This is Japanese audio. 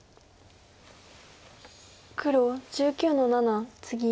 黒１９の七ツギ。